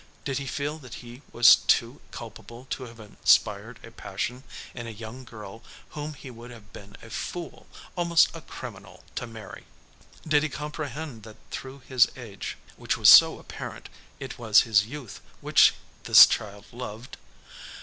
Did he feel that he was too culpable to have inspired a passion in a young girl whom he would have been a fool, almost a criminal, to marry? Did he comprehend that through his age which was so apparent, it was his youth which this child loved?